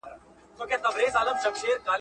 په خصوصي سکتور کي پانګونې ته خلک وهڅوئ.